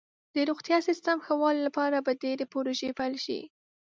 د روغتیا سیستم ښه والي لپاره به ډیرې پروژې پیل شي.